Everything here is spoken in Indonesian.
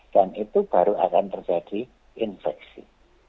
dan itu baru akan terjadi infeksi